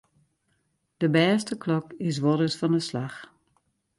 De bêste klok is wolris fan 'e slach.